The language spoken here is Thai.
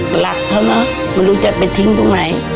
หลักเธอน่ะมันรู้จะไปทิ้งตรงไหน